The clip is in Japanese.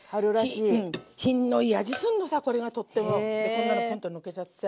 こんなのポンとのっけちゃってさ。